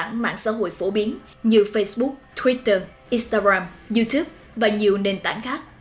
phần mềm có khả năng thu thập dữ liệu từ một loạt nền tảng mạng xã hội phổ biến như facebook twitter instagram youtube và nhiều nền tảng khác